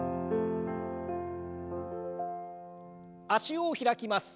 脚を開きます。